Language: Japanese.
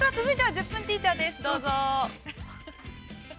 ◆「１０分ティーチャー」